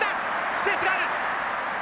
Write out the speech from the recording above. スペースがある。